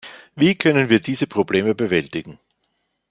Wie können wir diese Probleme bewältigen?